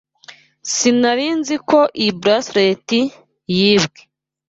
Sinari nzi ko iyi bracelet yibwe.